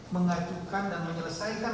mengajukan dan menyelesaikan perkara ini